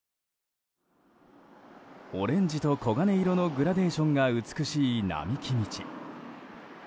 オレンジと黄金色のグラデーションが美しい並木道。